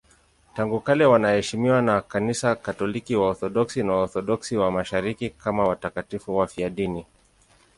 Tangu kale wanaheshimiwa na Kanisa Katoliki, Waorthodoksi na Waorthodoksi wa Mashariki kama watakatifu wafiadini.